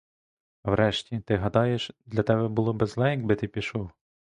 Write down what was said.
А врешті, ти гадаєш, для тебе було би зле, якби ти пішов?